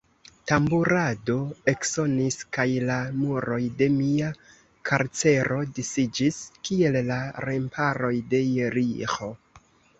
Tamburado eksonis, kaj la muroj de mia karcero disiĝis, kiel la remparoj de Jeriĥo.